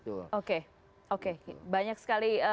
oke banyak sekali